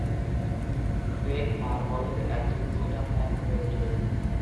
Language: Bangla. গ্রেগ মারমলের একজন সেট আপ ম্যান হয়ে ওঠে।